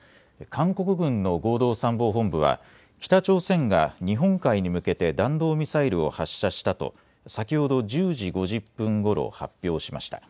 韓国軍の合同参謀本部は北朝鮮が日本海に向けて弾道ミサイルを発射したと先ほど１０時５０分ごろ発表しました。